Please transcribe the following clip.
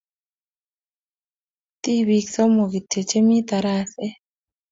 Tipik somok kityo chemi taraset.